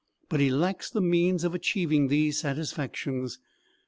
But he lacks the means of achieving these satisfactions.